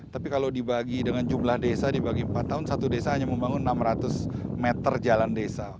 tapi kalau dibagi dengan jumlah desa dibagi empat tahun satu desa hanya membangun enam ratus meter jalan desa